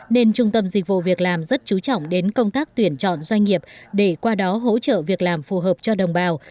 nên trung tâm dịch vụ việc làm rất chú trọng đến công tác tuyển chọn doanh nghiệp để qua đó hỗ trợ việc làm phù hợp cho đồng bào